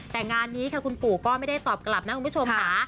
แต่งานนี้ค่ะคุณปู่ก็ไม่ได้ตอบกลับนะคุณผู้ชมค่ะ